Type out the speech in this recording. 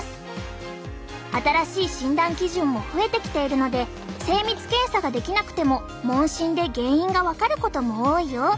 新しい診断基準も増えてきているので精密検査ができなくても問診で原因が分かることも多いよ。